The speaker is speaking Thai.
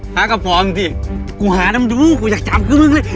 หาก็พร้อมสิกูหานำดูกูอยากจำกับมึงเลย